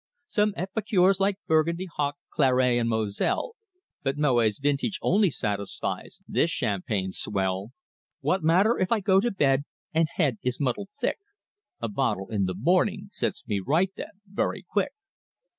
Some epicures like Burgundy, Hock, Claret, and Moselle, But Moet's vintage only satisfies this champagne swell. What matter if I go to bed and head is muddled thick, A bottle in the morning sets me right then very quick.